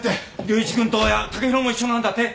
竜一君と剛洋も一緒なんだって？